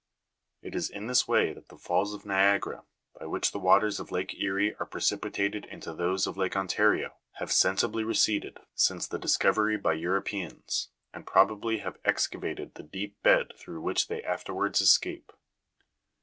It is in this way that the falls of Niagara, by which the waters of lake Erie are precipitated into those of lake Ontario, have sensibly receded since the discovery by Europeans, and probably have excavated the deep bed through which they afterwards escape.